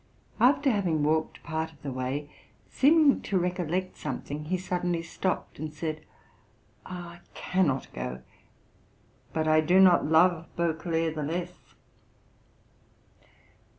After having walked part of the way, seeming to recollect something, he suddenly stopped and said, 'I cannot go, but I do not love Beauclerk the less.'